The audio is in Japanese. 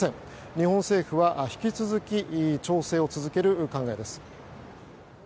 日本政府は引き続き調整を続ける考えです。